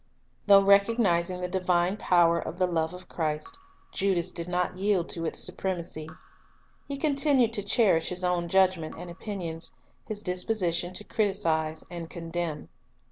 Though recognizing the divine power of the love of Christ, Judas did not yield to its supremacy. He continued to cherish his own judgment and opin ions, his disposition to criticize and condemn.